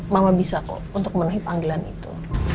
mama bisa kok untuk menuhi panggilan itu